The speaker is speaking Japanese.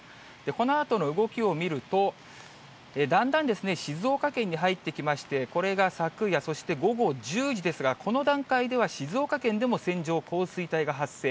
このあとの動きを見ると、だんだん静岡県に入ってきまして、これが昨夜、そして午後１０時ですが、この段階では、静岡県でも線状降水帯が発生。